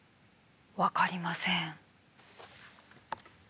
分かりません。